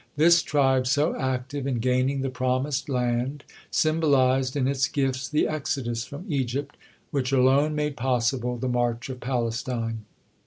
This tribe, so active in gaining the promised land, symbolized in its gifts the exodus from Egypt, which alone made possible the march of Palestine.